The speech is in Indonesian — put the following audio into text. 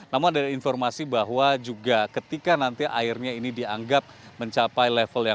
namun ada informasi bahwa juga ketika nanti airnya ini dianggap mencapai level yang